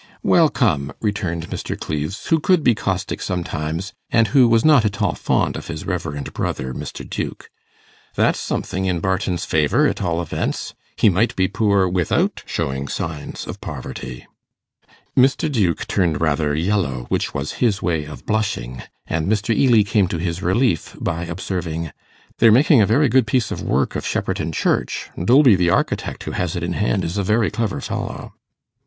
'Well, come,' returned Mr. Cleves, who could be caustic sometimes, and who was not at all fond of his reverend brother, Mr. Duke, 'that's something in Barton's favour at all events. He might be poor without showing signs of poverty.' Mr. Duke turned rather yellow, which was his way of blushing, and Mr. Ely came to his relief by observing, 'They're making a very good piece of work of Shepperton Church. Dolby, the architect, who has it in hand, is a very clever fellow.